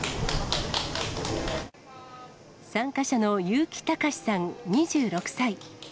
参加者の結城隆さん２６歳。